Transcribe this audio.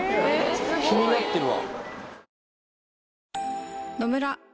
気になってるわ。